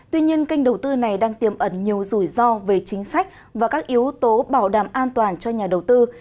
tuy nhiên kênh đầu tư này đang tiềm ẩn nhiều rủi ro về chính sách và các yếu tố bảo đảm an toàn cho nhà đầu tư